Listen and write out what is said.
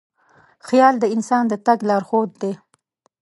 خیال د انسان د تګ لارښود دی.